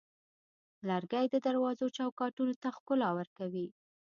لرګی د دروازو چوکاټونو ته ښکلا ورکوي.